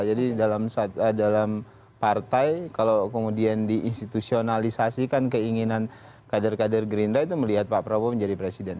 jadi dalam partai kalau kemudian diinstitusionalisasikan keinginan kader kader gerindra itu melihat pak prabowo menjadi presiden